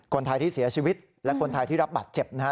คนไทยที่เสียชีวิตและคนไทยที่รับบาดเจ็บนะฮะ